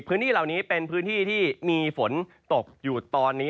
พื้นที่เหล่านี้เป็นพื้นที่ที่มีฝนตกอยู่ตอนนี้